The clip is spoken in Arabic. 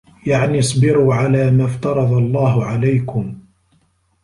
يَعْنِي اصْبِرُوا عَلَى مَا افْتَرَضَ اللَّهُ عَلَيْكُمْ